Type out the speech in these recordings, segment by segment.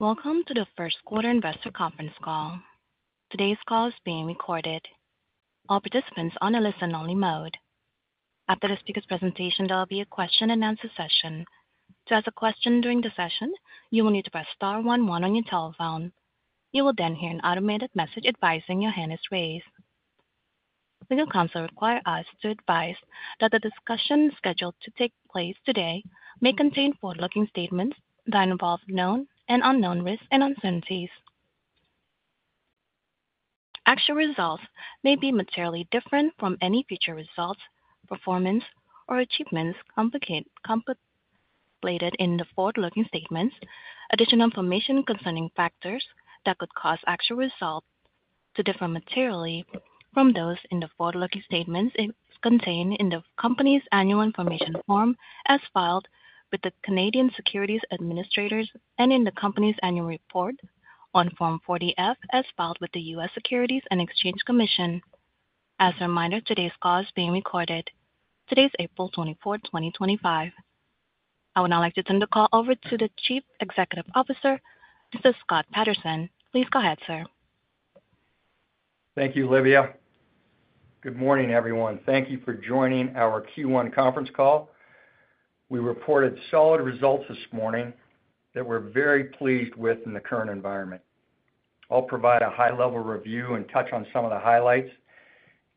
Welcome to the FirstService first quarter Investor Conference call. Today's call is being recorded. All participants are on a listen-only mode. After the speaker's presentation, there will be a question-and-answer session. To ask a question during the session, you will need to press star one one on your telephone. You will then hear an automated message advising your hand is raised. Legal counsel require us to advise that the discussion scheduled to take place today may contain forward-looking statements that involve known and unknown risks and uncertainties. Actual results may be materially different from any future results, performance, or achievements contemplated in the forward-looking statements. Additional information concerning factors that could cause actual results to differ materially from those in the forward-looking statements contained in the company's Annual Information Form as filed with the Canadian Securities Administrators and in the company's annual report on Form 40F as filed with the U.S. Securities and Exchange Commission. As a reminder, today's call is being recorded. Today's April 24th, 2025. I would now like to turn the call over to the Chief Executive Officer, Mr. Scott Patterson. Please go ahead, sir. Thank you, Olivia. Good morning, everyone. Thank you for joining our Q1 conference call. We reported solid results this morning that we're very pleased with in the current environment. I'll provide a high-level review and touch on some of the highlights,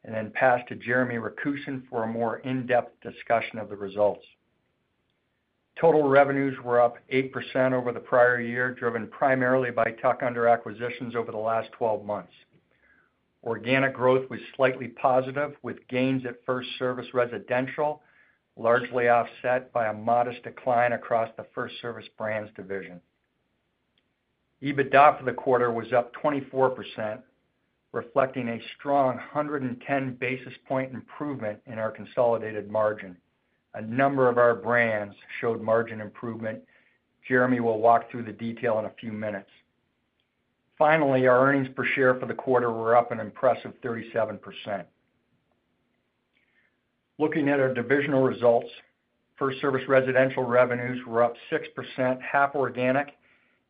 and then pass to Jeremy Rakusin for a more in-depth discussion of the results. Total revenues were up 8% over the prior year, driven primarily by tuck-under acquisitions over the last 12 months. Organic growth was slightly positive, with gains at FirstService Residential largely offset by a modest decline across the FirstService Brands division. EBITDA for the quarter was up 24%, reflecting a strong 110 basis point improvement in our consolidated margin. A number of our brands showed margin improvement. Jeremy will walk through the detail in a few minutes. Finally, our earnings per share for the quarter were up an impressive 37%. Looking at our divisional results, FirstService Residential revenues were up 6%, half organic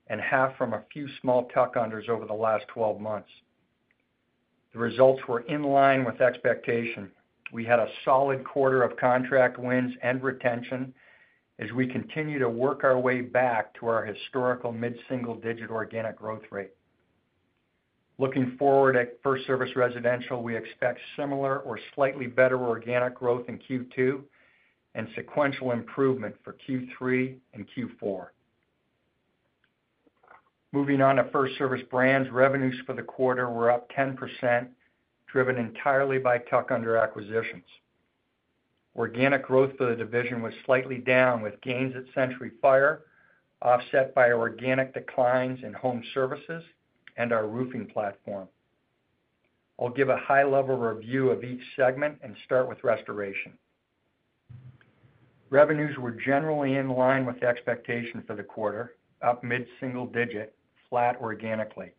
and half from a few small tuck-unders over the last 12 months. The results were in line with expectation. We had a solid quarter of contract wins and retention as we continue to work our way back to our historical mid-single-digit organic growth rate. Looking forward at FirstService Residential, we expect similar or slightly better organic growth in Q2 and sequential improvement for Q3 and Q4. Moving on to FirstService Brands, revenues for the quarter were up 10%, driven entirely by tuck-under acquisitions. Organic growth for the division was slightly down, with gains at Century Fire offset by organic declines in home services and our roofing platform. I'll give a high-level review of each segment and start with restoration. Revenues were generally in line with expectation for the quarter, up mid-single-digit, flat organically.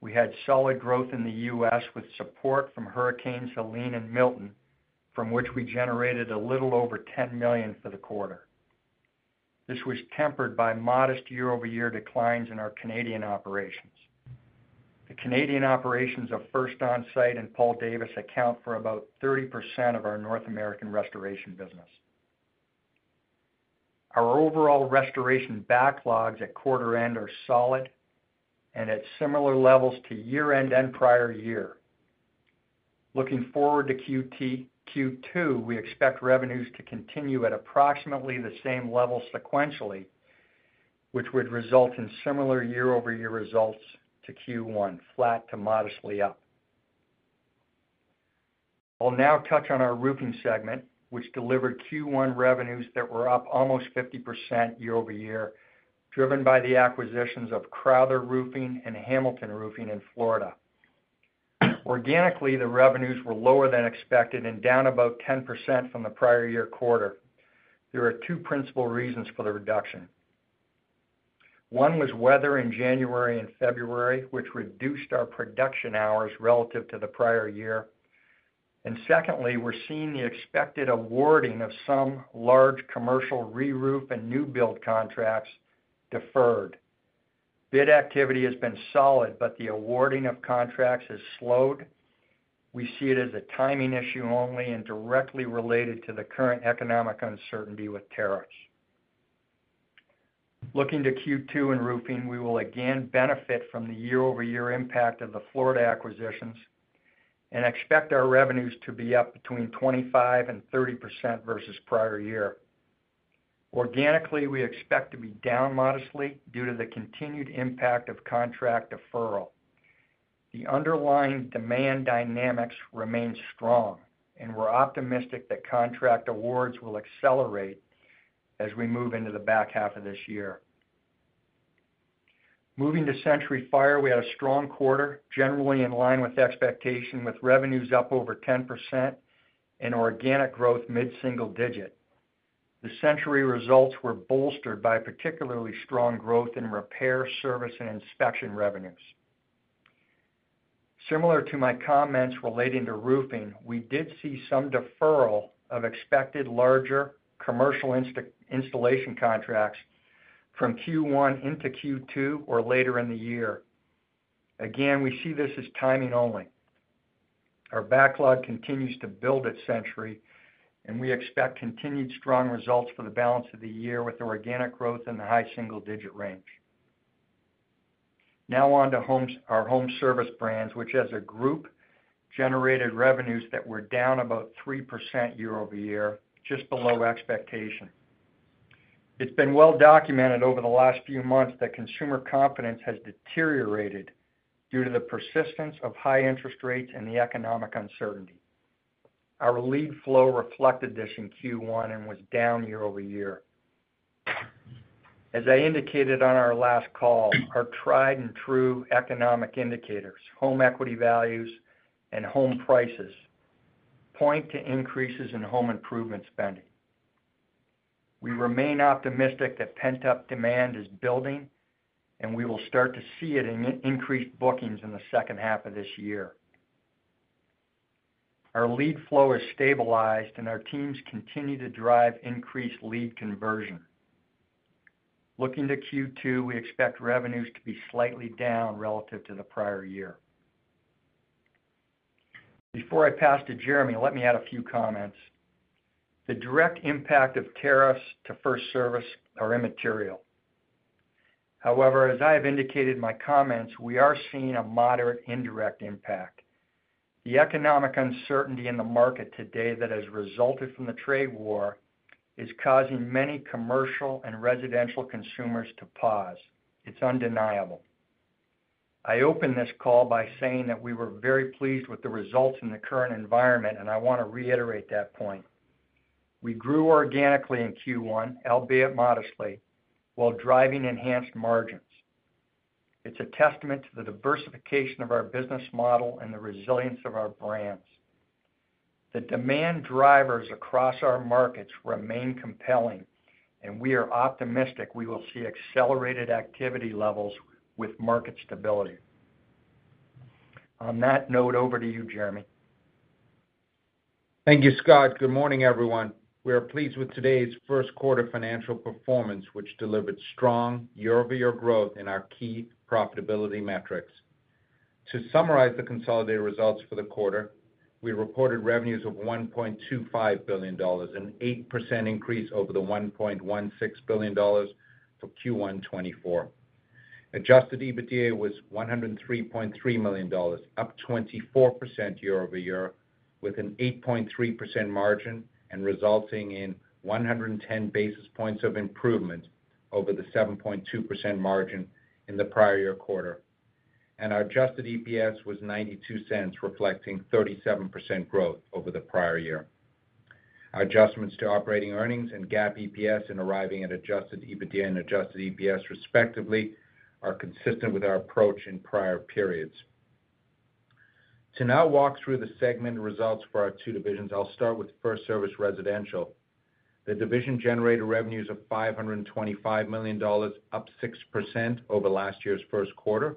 We had solid growth in the U.S. with support from Hurricane Helene and Milton, from which we generated a little over $10 million for the quarter. This was tempered by modest year-over-year declines in our Canadian operations. The Canadian operations of First Onsite and Paul Davis account for about 30% of our North American restoration business. Our overall restoration backlogs at quarter-end are solid and at similar levels to year-end and prior year. Looking forward to Q2, we expect revenues to continue at approximately the same level sequentially, which would result in similar year-over-year results to Q1, flat to modestly up. I'll now touch on our roofing segment, which delivered Q1 revenues that were up almost 50% year-over-year, driven by the acquisitions of Crowther Roofing and Hamilton Roofing in Florida. Organically, the revenues were lower than expected and down about 10% from the prior year quarter. There are two principal reasons for the reduction. One was weather in January and February, which reduced our production hours relative to the prior year. Secondly, we're seeing the expected awarding of some large commercial reroof and new build contracts deferred. Bid activity has been solid, but the awarding of contracts has slowed. We see it as a timing issue only and directly related to the current economic uncertainty with tariffs. Looking to Q2 and roofing, we will again benefit from the year-over-year impact of the Florida acquisitions and expect our revenues to be up between 25% and 30% versus prior year. Organically, we expect to be down modestly due to the continued impact of contract deferral. The underlying demand dynamics remain strong, and we're optimistic that contract awards will accelerate as we move into the back half of this year. Moving to Century Fire, we had a strong quarter, generally in line with expectation, with revenues up over 10% and organic growth mid-single digit. The Century results were bolstered by particularly strong growth in repair, service, and inspection revenues. Similar to my comments relating to roofing, we did see some deferral of expected larger commercial installation contracts from Q1 into Q2 or later in the year. Again, we see this as timing only. Our backlog continues to build at Century, and we expect continued strong results for the balance of the year with organic growth in the high single-digit range. Now on to our Home Service brands, which as a group, generated revenues that were down about 3% year-over-year, just below expectation. It's been well documented over the last few months that consumer confidence has deteriorated due to the persistence of high interest rates and the economic uncertainty. Our lead flow reflected this in Q1 and was down year-over-year. As I indicated on our last call, our tried-and-true economic indicators, home equity values, and home prices point to increases in home improvement spending. We remain optimistic that pent-up demand is building, and we will start to see it in increased bookings in the second half of this year. Our lead flow has stabilized, and our teams continue to drive increased lead conversion. Looking to Q2, we expect revenues to be slightly down relative to the prior year. Before I pass to Jeremy, let me add a few comments. The direct impact of tariffs to FirstService is immaterial. However, as I have indicated in my comments, we are seeing a moderate indirect impact. The economic uncertainty in the market today that has resulted from the trade war is causing many commercial and residential consumers to pause. It's undeniable. I open this call by saying that we were very pleased with the results in the current environment, and I want to reiterate that point. We grew organically in Q1, albeit modestly, while driving enhanced margins. It's a testament to the diversification of our business model and the resilience of our brands. The demand drivers across our markets remain compelling, and we are optimistic we will see accelerated activity levels with market stability. On that note, over to you, Jeremy. Thank you, Scott. Good morning, everyone. We are pleased with today's first quarter financial performance, which delivered strong year-over-year growth in our key profitability metrics. To summarize the consolidated results for the quarter, we reported revenues of $1.25 billion, an 8% increase over the $1.16 billion for Q1 2024. Adjusted EBITDA was $103.3 million, up 24% year-over-year with an 8.3% margin and resulting in 110 basis points of improvement over the 7.2% margin in the prior year quarter. Our Adjusted EPS was $0.92, reflecting 37% growth over the prior year. Our adjustments to operating earnings and GAAP EPS and arriving at Adjusted EBITDA and Adjusted EPS respectively are consistent with our approach in prior periods. To now walk through the segment results for our two divisions, I will start with FirstService Residential. The division generated revenues of $525 million, up 6% over last year's first quarter,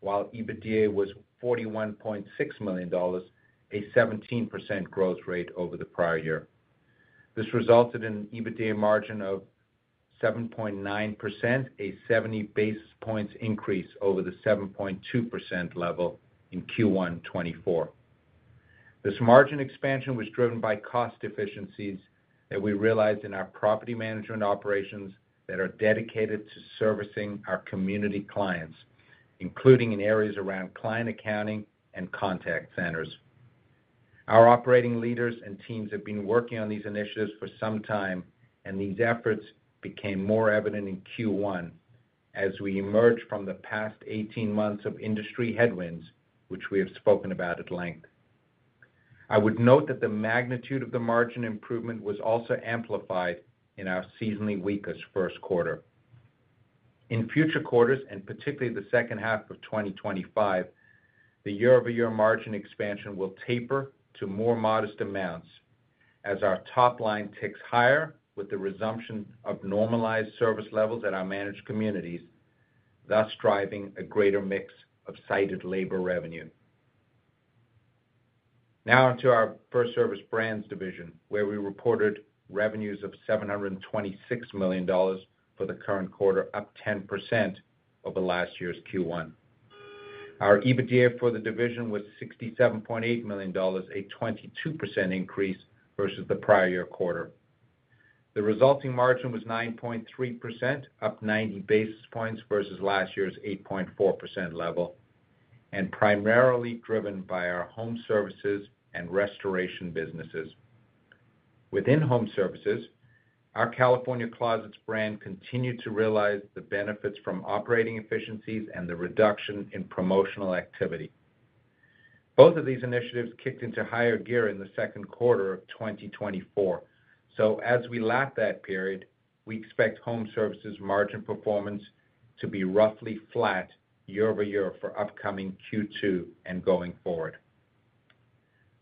while EBITDA was $41.6 million, a 17% growth rate over the prior year. This resulted in an EBITDA margin of 7.9%, a 70 basis points increase over the 7.2% level in Q1 2024. This margin expansion was driven by cost efficiencies that we realized in our property management operations that are dedicated to servicing our community clients, including in areas around client accounting and contact centers. Our operating leaders and teams have been working on these initiatives for some time, and these efforts became more evident in Q1 as we emerged from the past 18 months of industry headwinds, which we have spoken about at length. I would note that the magnitude of the margin improvement was also amplified in our seasonally weakest first quarter. In future quarters, and particularly the second half of 2025, the year-over-year margin expansion will taper to more modest amounts as our top line ticks higher with the resumption of normalized service levels at our managed communities, thus driving a greater mix of site labor revenue. Now on to our FirstService Brands division, where we reported revenues of $726 million for the current quarter, up 10% over last year's Q1. Our EBITDA for the division was $67.8 million, a 22% increase versus the prior year quarter. The resulting margin was 9.3%, up 90 basis points versus last year's 8.4% level, and primarily driven by our home services and restoration businesses. Within home services, our California Closets brand continued to realize the benefits from operating efficiencies and the reduction in promotional activity. Both of these initiatives kicked into higher gear in the second quarter of 2024. As we lap that period, we expect home services margin performance to be roughly flat year-over-year for upcoming Q2 and going forward.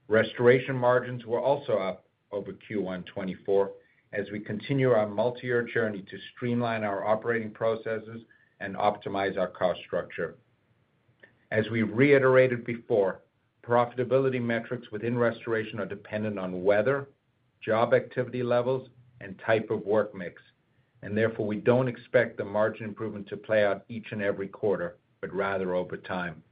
Restoration margins were also up over Q1 2024 as we continue our multi-year journey to streamline our operating processes and optimize our cost structure. As we reiterated before, profitability metrics within restoration are dependent on weather, job activity levels, and type of work mix. Therefore, we do not expect the margin improvement to play out each and every quarter, but rather over time.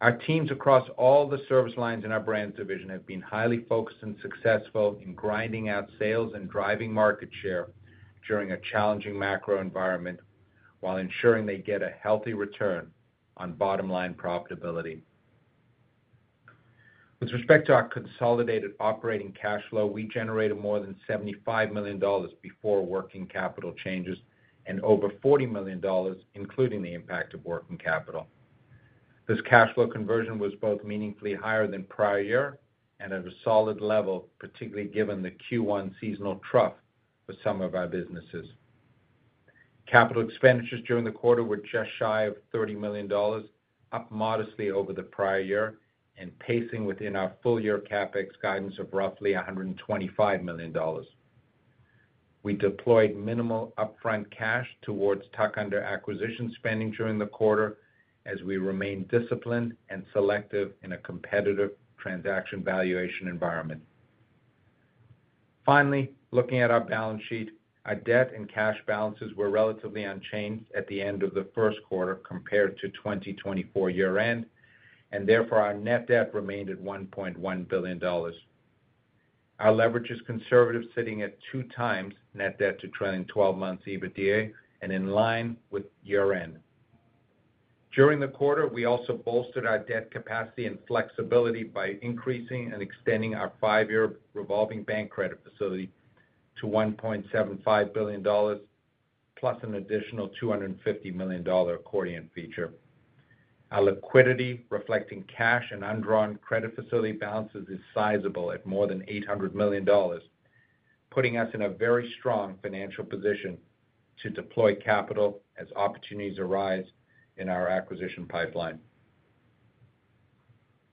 Our teams across all the service lines in our brands division have been highly focused and successful in grinding out sales and driving market share during a challenging macro environment while ensuring they get a healthy return on bottom-line profitability. With respect to our consolidated operating cash flow, we generated more than $75 million before working capital changes and over $40 million, including the impact of working capital. This cash flow conversion was both meaningfully higher than prior year and at a solid level, particularly given the Q1 seasonal trough for some of our businesses. Capital expenditures during the quarter were just shy of $30 million, up modestly over the prior year, and pacing within our full-year CapEx guidance of roughly $125 million. We deployed minimal upfront cash towards tuck-under acquisition spending during the quarter as we remain disciplined and selective in a competitive transaction valuation environment. Finally, looking at our balance sheet, our debt and cash balances were relatively unchanged at the end of the first quarter compared to 2024 year-end, and therefore our net debt remained at $1.1 billion. Our leverage is conservative, sitting at two times net debt to trailing 12 months EBITDA and in line with year-end. During the quarter, we also bolstered our debt capacity and flexibility by increasing and extending our five-year revolving bank credit facility to $1.75 billion, plus an additional $250 million accordion feature. Our liquidity, reflecting cash and undrawn credit facility balances, is sizable at more than $800 million, putting us in a very strong financial position to deploy capital as opportunities arise in our acquisition pipeline.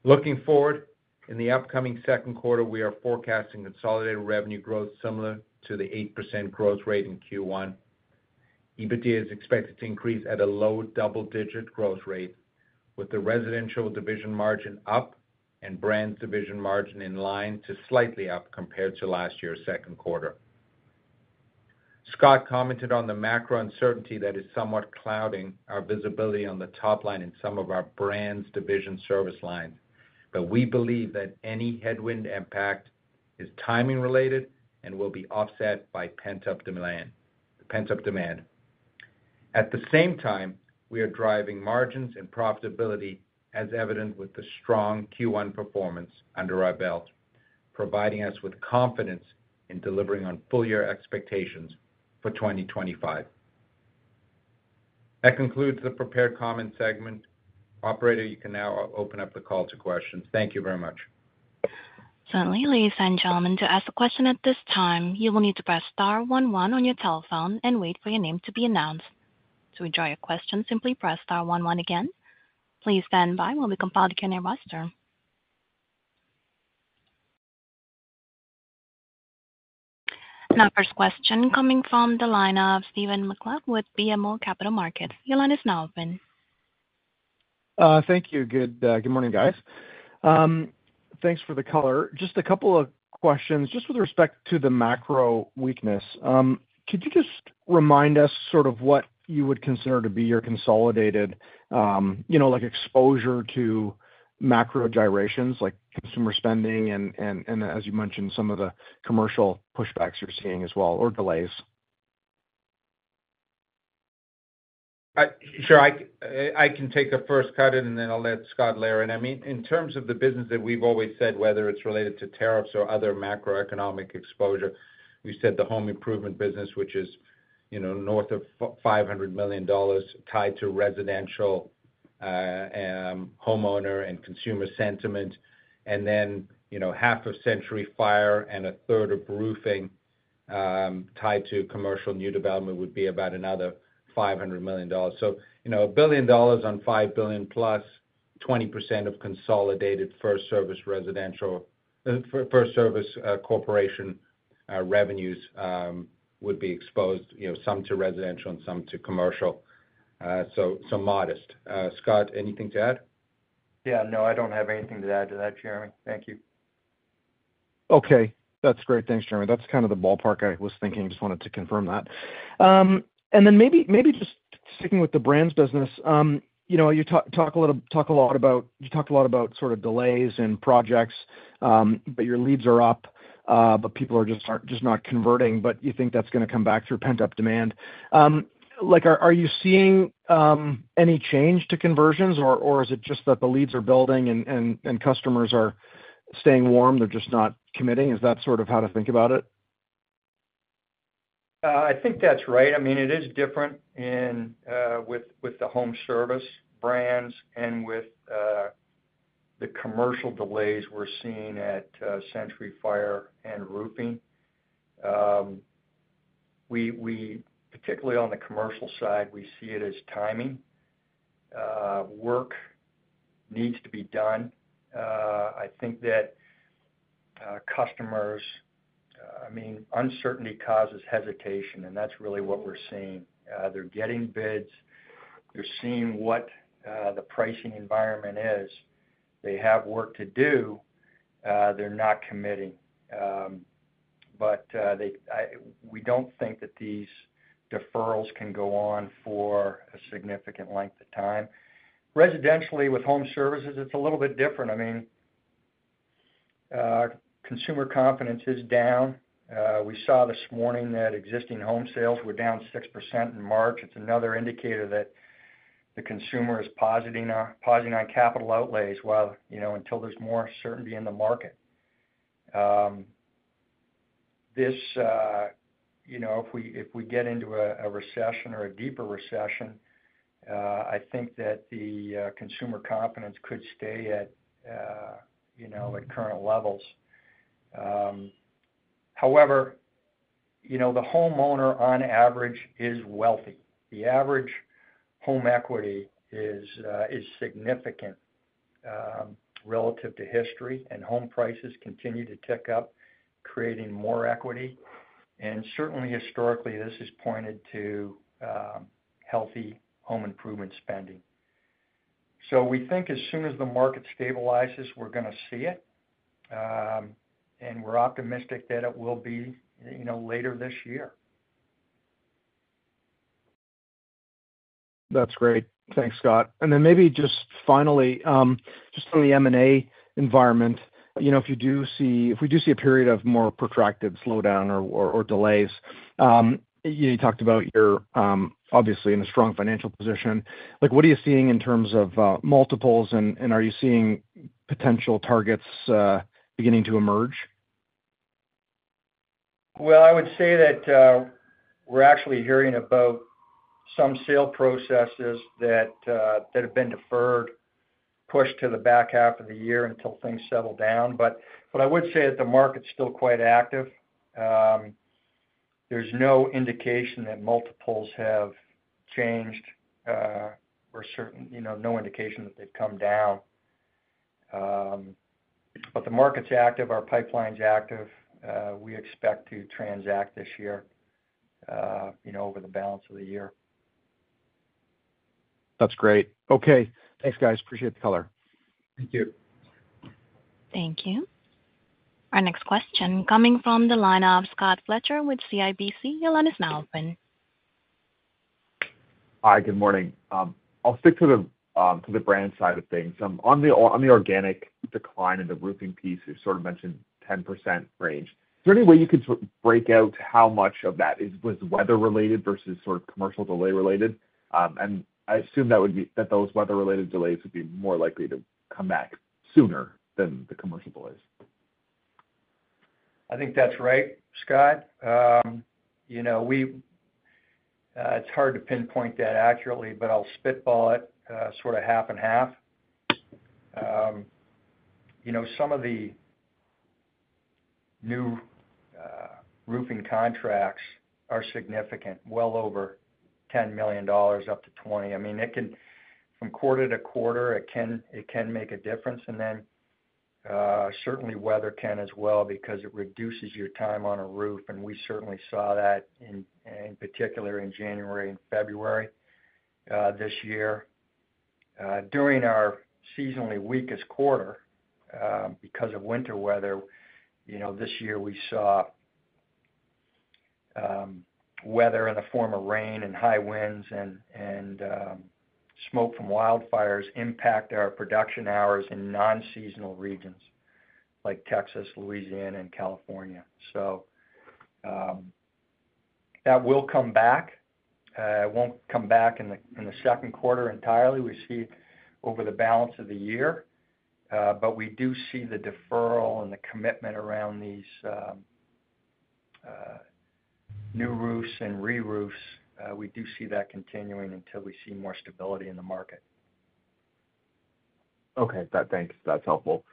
Looking forward, in the upcoming second quarter, we are forecasting consolidated revenue growth similar to the 8% growth rate in Q1. EBITDA is expected to increase at a low double-digit growth rate, with the residential division margin up and brands division margin in line to slightly up compared to last year's second quarter. Scott commented on the macro uncertainty that is somewhat clouding our visibility on the top line in some of our Brands division service lines, but we believe that any headwind impact is timing-related and will be offset by pent-up demand. At the same time, we are driving margins and profitability as evident with the strong Q1 performance under our belt, providing us with confidence in delivering on full-year expectations for 2025. That concludes the prepared comment segment. Operator, you can now open up the call to questions. Thank you very much. Certainly, ladies and gentlemen, to ask a question at this time, you will need to press star one one on your telephone and wait for your name to be announced. To withdraw your question, simply press star one one again. Please stand by while we compile the Q&A roster. Now, first question coming from the line of Stephen MacLeod with BMO Capital Markets. Your line is now open. Thank you. Good morning, guys. Thanks for the color. Just a couple of questions just with respect to the macro weakness. Could you just remind us sort of what you would consider to be your consolidated exposure to macro gyrations, like consumer spending and, as you mentioned, some of the commercial pushbacks you're seeing as well, or delays? Sure. I can take a first cut in, and then I'll let Scott layer in. I mean, in terms of the business that we've always said, whether it's related to tariffs or other macroeconomic exposure, we said the home improvement business, which is north of $500 million, tied to residential homeowner and consumer sentiment. And then half of Century Fire and a third of roofing tied to commercial new development would be about another $500 million. So $1 billion on $5 billion+, 20% of consolidated FirstService Corporation revenues would be exposed, some to residential and some to commercial. So modest. Scott, anything to add? Yeah. No, I don't have anything to add to that, Jeremy. Thank you. Okay. That's great. Thanks, Jeremy. That's kind of the ballpark I was thinking. I just wanted to confirm that. Maybe just sticking with the brands business, you talk a lot about you talked a lot about sort of delays in projects, but your leads are up, but people are just not converting, but you think that's going to come back through pent-up demand. Are you seeing any change to conversions, or is it just that the leads are building and customers are staying warm? They're just not committing? Is that sort of how to think about it? I think that's right. I mean, it is different with the home service brands and with the commercial delays we're seeing at Century Fire and roofing. Particularly on the commercial side, we see it as timing. Work needs to be done. I think that customers, I mean, uncertainty causes hesitation, and that's really what we're seeing. They're getting bids. They're seeing what the pricing environment is. They have work to do. They're not committing. We don't think that these deferrals can go on for a significant length of time. Residentially, with home services, it's a little bit different. I mean, consumer confidence is down. We saw this morning that existing home sales were down 6% in March. It's another indicator that the consumer is pausing on capital outlays until there's more certainty in the market. If we get into a recession or a deeper recession, I think that the consumer confidence could stay at current levels. However, the homeowner, on average, is wealthy. The average home equity is significant relative to history, and home prices continue to tick up, creating more equity. Certainly, historically, this has pointed to healthy home improvement spending. We think as soon as the market stabilizes, we're going to see it. We're optimistic that it will be later this year. That's great. Thanks, Scott. Maybe just finally, just on the M&A environment, if you do see, if we do see a period of more protracted slowdown or delays, you talked about you're obviously in a strong financial position. What are you seeing in terms of multiples, and are you seeing potential targets beginning to emerge? I would say that we're actually hearing about some sale processes that have been deferred, pushed to the back half of the year until things settle down. I would say that the market's still quite active. There's no indication that multiples have changed or certain no indication that they've come down. The market's active. Our pipeline's active. We expect to transact this year over the balance of the year. That's great. Okay. Thanks, guys. Appreciate the color. Thank you. Thank you. Our next question coming from the line of Scott Fletcher with CIBC Capital Markets. Your line is now open. Hi. Good morning. I'll stick to the brand side of things. On the organic decline in the roofing piece, you sort of mentioned 10% range. Is there any way you could sort of break out how much of that was weather-related versus sort of commercial delay-related? I assume that those weather-related delays would be more likely to come back sooner than the commercial delays. I think that's right, Scott. It's hard to pinpoint that accurately, but I'll spitball it sort of half and half. Some of the new roofing contracts are significant, well over $10 million, up to $20 million. I mean, from quarter to quarter, it can make a difference. And certainly, weather can as well because it reduces your time on a roof. We certainly saw that in particular in January and February this year. During our seasonally weakest quarter, because of winter weather, this year we saw weather in the form of rain and high winds and smoke from wildfires impact our production hours in non-seasonal regions like Texas, Louisiana, and California. That will come back. It won't come back in the second quarter entirely. We see over the balance of the year. We do see the deferral and the commitment around these new roofs and re-roofs. We do see that continuing until we see more stability in the market. Okay. Thanks. That's helpful.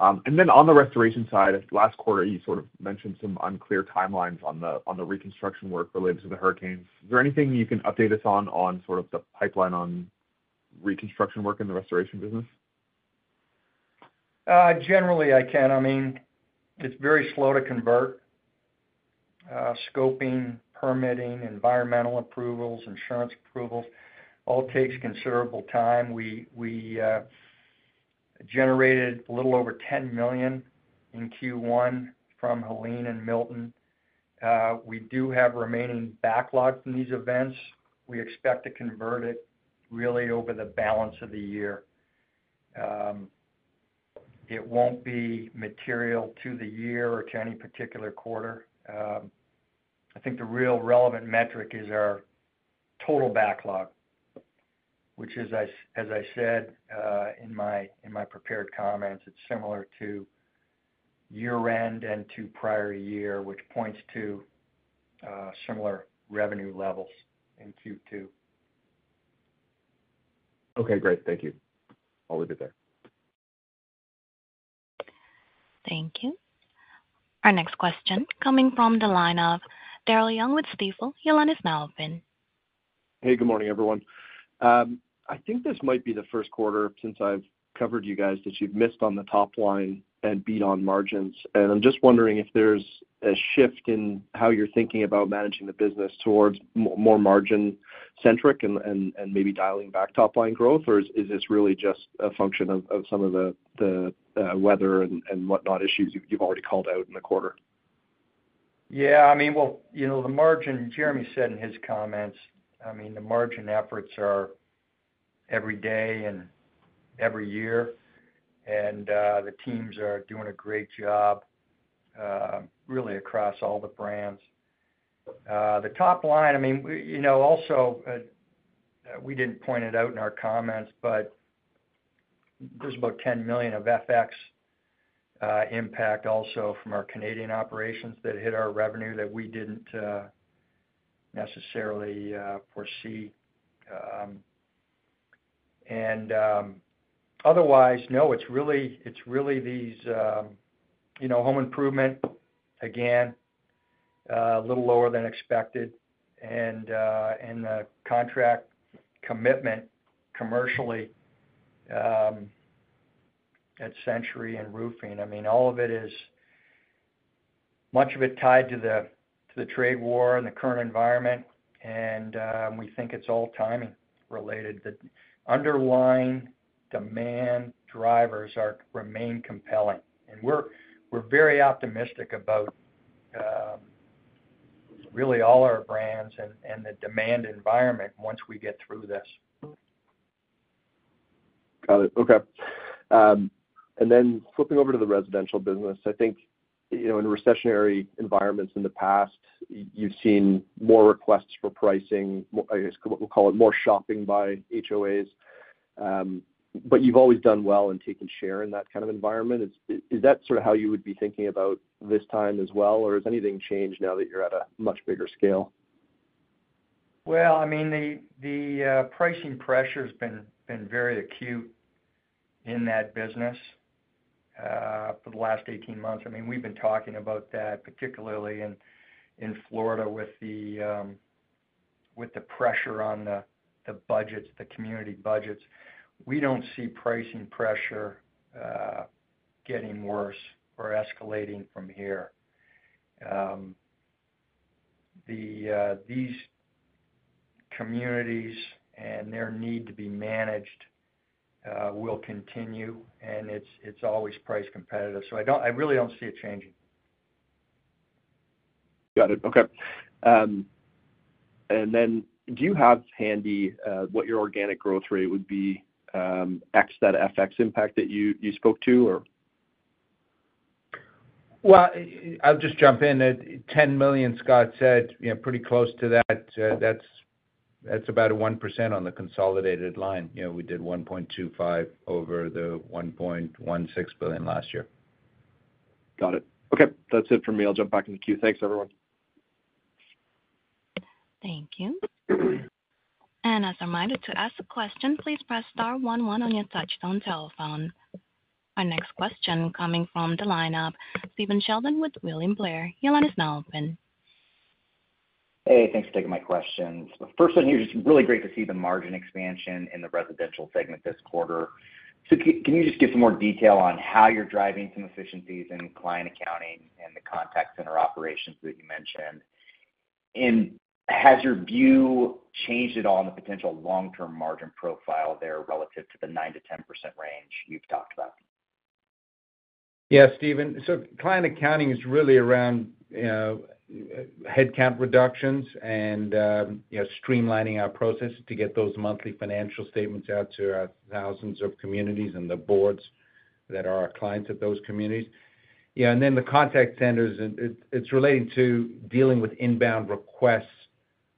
On the restoration side, last quarter, you sort of mentioned some unclear timelines on the reconstruction work related to the hurricanes. Is there anything you can update us on, on sort of the pipeline on reconstruction work in the restoration business? Generally, I can. I mean, it's very slow to convert. Scoping, permitting, environmental approvals, insurance approvals all takes considerable time. We generated a little over $10 million in Q1 from Helene and Milton. We do have remaining backlog from these events. We expect to convert it really over the balance of the year. It won't be material to the year or to any particular quarter. I think the real relevant metric is our total backlog, which, as I said in my prepared comments, it's similar to year-end and to prior year, which points to similar revenue levels in Q2. Okay. Great. Thank you. I'll leave it there. Thank you. Our next question coming from the line of Daryl Young with Stifel. Your line is now open. Hey. Good morning, everyone. I think this might be the first quarter since I've covered you guys that you've missed on the top line and beat on margins. I'm just wondering if there's a shift in how you're thinking about managing the business towards more margin-centric and maybe dialing back top-line growth, or is this really just a function of some of the weather and whatnot issues you've already called out in the quarter? Yeah. I mean, the margin, Jeremy said in his comments, I mean, the margin efforts are every day and every year. The teams are doing a great job really across all the brands. The top line, I mean, also we did not point it out in our comments, but there is about $10 million of FX impact also from our Canadian operations that hit our revenue that we did not necessarily foresee. Otherwise, no, it is really these home improvement, again, a little lower than expected, and the contract commitment commercially at Century and roofing. I mean, all of it is much of it tied to the trade war and the current environment. We think it is all timing-related. The underlying demand drivers remain compelling. We are very optimistic about really all our brands and the demand environment once we get through this. Got it. Okay. Then flipping over to the residential business, I think in recessionary environments in the past, you've seen more requests for pricing, I guess we'll call it more shopping by HOAs. But you've always done well and taken share in that kind of environment. Is that sort of how you would be thinking about this time as well, or has anything changed now that you're at a much bigger scale? I mean, the pricing pressure has been very acute in that business for the last 18 months. I mean, we've been talking about that, particularly in Florida with the pressure on the budgets, the community budgets. We don't see pricing pressure getting worse or escalating from here. These communities and their need to be managed will continue. And it's always price competitive. I really don't see it changing. Got it. Okay. Do you have handy what your organic growth rate would be x that FX impact that you spoke to, or? I'll just jump in. At $10 million, Scott said pretty close to that. That's about 1% on the consolidated line. We did $1.25 billion over the $1.16 billion last year. Got it. Okay. That's it for me. I'll jump back in the queue. Thanks, everyone. Thank you. As a reminder to ask a question, please press star one one on your touchstone telephone. Our next question coming from the line of Stephen Sheldon with William Blair. Your line is now open. Hey. Thanks for taking my questions. First, I think it's really great to see the margin expansion in the residential segment this quarter. Can you just give some more detail on how you're driving some efficiencies in client accounting and the contact center operations that you mentioned? Has your view changed at all in the potential long-term margin profile there relative to the 9%-10% range you've talked about? Yeah, Stephen. Client accounting is really around headcount reductions and streamlining our process to get those monthly financial statements out to thousands of communities and the boards that are our clients at those communities. Yeah. The contact centers, it's relating to dealing with inbound requests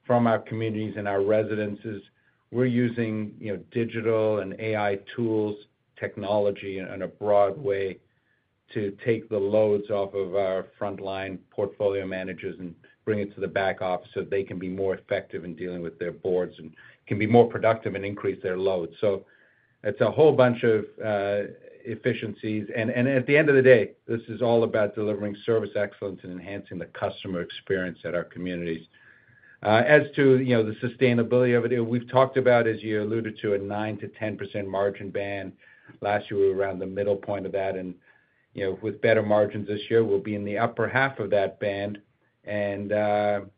from our communities and our residences. We're using digital and AI tools, technology, and a broad way to take the loads off of our frontline portfolio managers and bring it to the back office so they can be more effective in dealing with their boards and can be more productive and increase their loads. It is a whole bunch of efficiencies. At the end of the day, this is all about delivering service excellence and enhancing the customer experience at our communities. As to the sustainability of it, we've talked about, as you alluded to, a 9%-10% margin band. Last year, we were around the middle point of that. With better margins this year, we'll be in the upper half of that band. That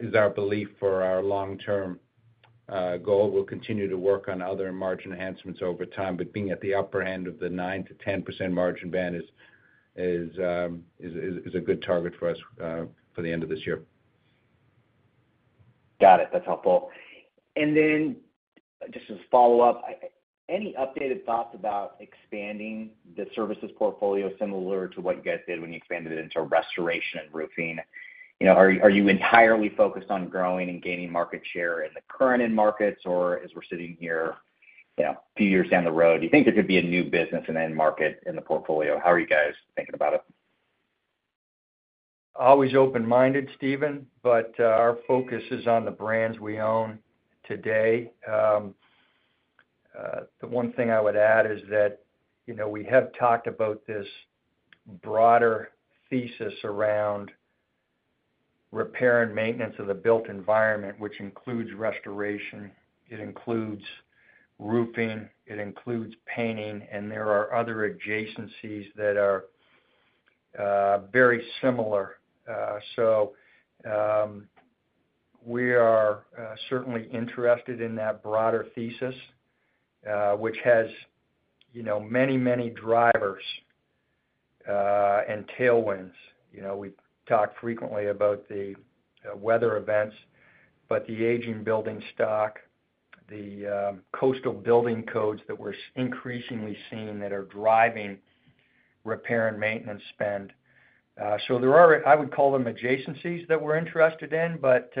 is our belief for our long-term goal. We'll continue to work on other margin enhancements over time. Being at the upper end of the 9%-10% margin band is a good target for us for the end of this year. Got it. That's helpful. Just as a follow-up, any updated thoughts about expanding the services portfolio similar to what you guys did when you expanded it into restoration and roofing? Are you entirely focused on growing and gaining market share in the current end markets, or as we're sitting here a few years down the road, do you think there could be a new business in the end market in the portfolio? How are you guys thinking about it? Always open-minded, Stephen, but our focus is on the brands we own today. The one thing I would add is that we have talked about this broader thesis around repair and maintenance of the built environment, which includes restoration. It includes roofing. It includes painting. There are other adjacencies that are very similar. We are certainly interested in that broader thesis, which has many, many drivers and tailwinds. We talk frequently about the weather events, the aging building stock, the coastal building codes that we're increasingly seeing that are driving repair and maintenance spend. There are, I would call them, adjacencies that we're interested in, but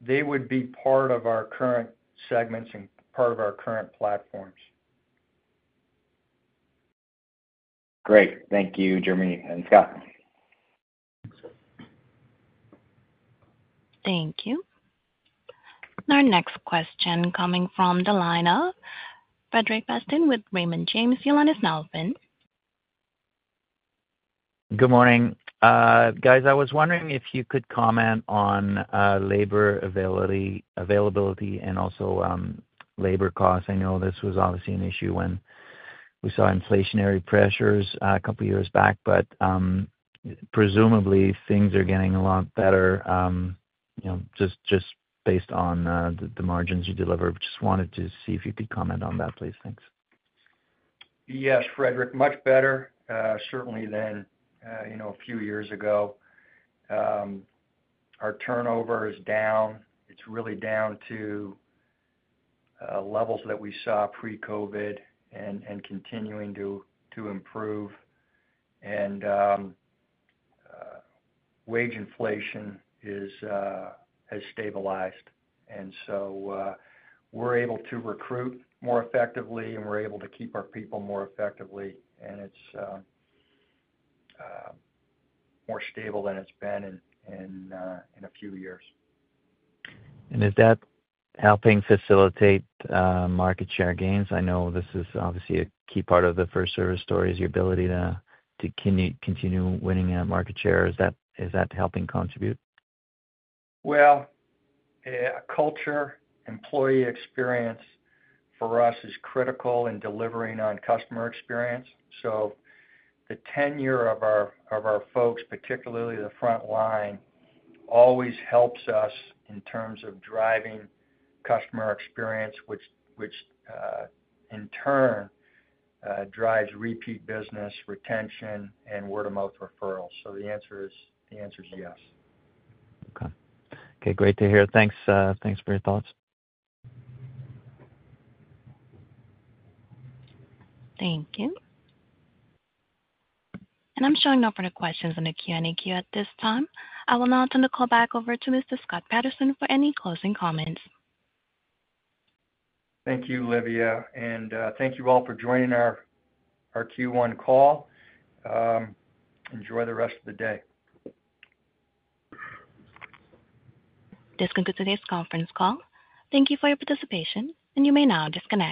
they would be part of our current segments and part of our current platforms. Great. Thank you, Jeremy and Scott. Thank you. Our next question coming from the line of Frederic Bastien with Raymond James. Your line is now open. Good morning. Guys, I was wondering if you could comment on labor availability and also labor costs. I know this was obviously an issue when we saw inflationary pressures a couple of years back, but presumably, things are getting a lot better just based on the margins you deliver. Just wanted to see if you could comment on that, please. Thanks. Yes, Frederic. Much better, certainly, than a few years ago. Our turnover is down. It's really down to levels that we saw pre-COVID and continuing to improve. Wage inflation has stabilized. We're able to recruit more effectively, and we're able to keep our people more effectively. It's more stable than it's been in a few years. Is that helping facilitate market share gains? I know this is obviously a key part of the FirstService story, is your ability to continue winning market share. Is that helping contribute? Culture, employee experience for us is critical in delivering on customer experience. The tenure of our folks, particularly the front line, always helps us in terms of driving customer experience, which in turn drives repeat business, retention, and word-of-mouth referrals. The answer is yes. Okay. Great to hear. Thanks for your thoughts. Thank you. I am showing no further questions in the Q&A queue at this time. I will now turn the call back over to Mr. Scott Patterson for any closing comments. Thank you, Olivia. Thank you all for joining our Q1 call. Enjoy the rest of the day. This concludes today's conference call. Thank you for your participation, and you may now disconnect.